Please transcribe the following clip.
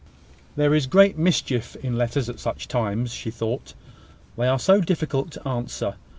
"There is great mischief in letters at such times," she thought. "They are so difficult to answer!